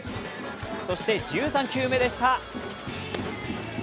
そして１３球目でした。